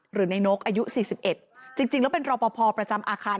หรือในนกอายุ๔๑จริงแล้วเป็นรอปภประจำอาคาร